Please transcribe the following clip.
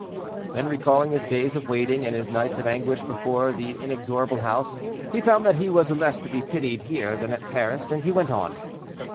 Then, recalling his days of waiting, and his nights of anguish before the inexorable house, he found that he was less to be pitied here than at Paris, and he went on.